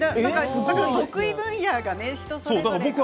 得意分野が人それぞれね。